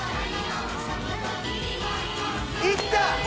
いった！